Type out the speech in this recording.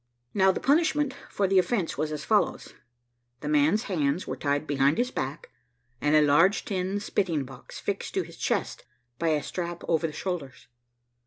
Now the punishment for the offence was as follows the man's hands were tied behind his back, and a large tin spitting box fixed to his chest by a strap over the shoulders.